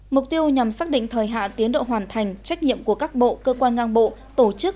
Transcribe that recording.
mục tiêu nhằm xác định thời hạ tiến độ hoàn thành trách nhiệm của các bộ cơ quan ngang bộ tổ chức